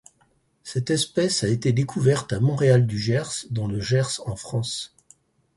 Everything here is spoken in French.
Cette espèce a été découverte à Montréal-du-Gers dans le Gers en France.